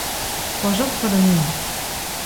Pas op foar de hûn.